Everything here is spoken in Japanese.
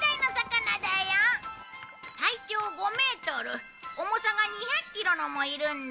体長５メートル重さが２００キロのもいるんだ。